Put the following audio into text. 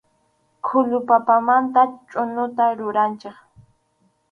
Khullu papamantaqa chʼuñuta ruranchik.